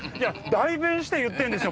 代弁して言ってんですよ